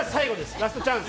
ラストチャンス。